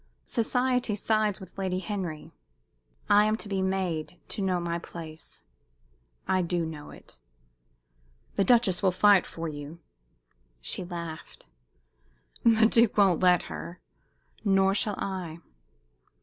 Society sides with Lady Henry. I am to be made to know my place I do know it!" "The Duchess will fight for you." She laughed. "The Duke won't let her nor shall I."